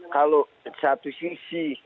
kalau satu sisi